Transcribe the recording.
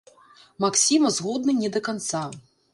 Максіма згодны не да канца.